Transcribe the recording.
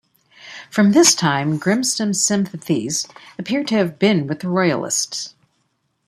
From this time Grimston's sympathies appear to have been with the Royalists.